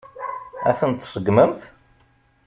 Ad tent-tseggmemt?